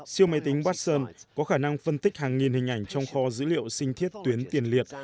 siêu máy tính baxon có khả năng phân tích hàng nghìn hình ảnh trong kho dữ liệu sinh thiết tuyến tiền liệt